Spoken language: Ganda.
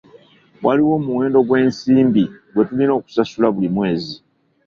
Waliwo omuwendo gw'ensimbi gwe tulina okusasula buli mwezi.